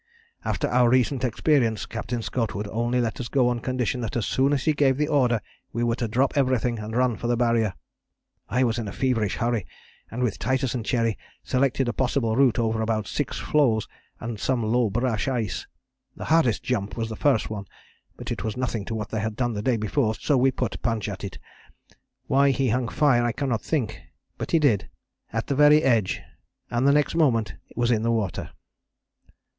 "After our recent experience Captain Scott would only let us go on condition that as soon as he gave the order we were to drop everything and run for the Barrier. I was in a feverish hurry, and with Titus and Cherry selected a possible route over about six floes, and some low brash ice. The hardest jump was the first one, but it was nothing to what they had done the day before, so we put Punch at it. Why he hung fire I cannot think, but he did, at the very edge, and the next moment was in the water.